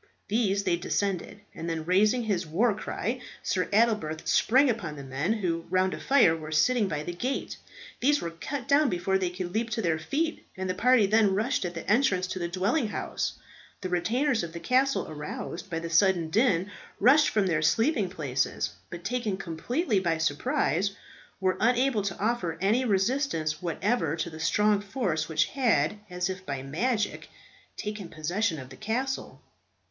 These they descended, and then, raising his war cry, Sir Adelbert sprang upon the men who, round a fire, were sitting by the gate. These were cut down before they could leap to their feet, and the party then rushed at the entrance to the dwelling house. The retainers of the castle, aroused by the sudden din, rushed from their sleeping places, but taken completely by surprise, were unable to offer any resistance whatever to the strong force which had, as if by magic, taken possession of the castle.